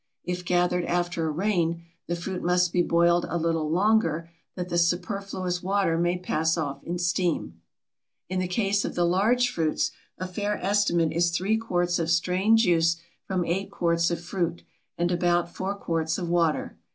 If gathered after a rain the fruit must be boiled a little longer that the superfluous water may pass off in steam. In the case of the large fruits a fair estimate is 3 quarts of strained juice from 8 quarts of fruit and about 4 quarts of water.